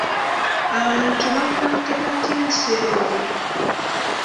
Abantu bakwata batya enseenene?